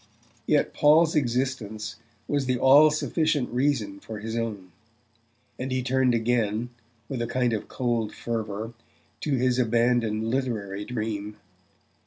Yet Paul's existence was the all sufficient reason for his own; and he turned again, with a kind of cold fervour, to his abandoned literary dream.